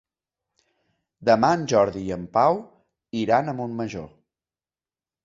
Demà en Jordi i en Pau iran a Montmajor.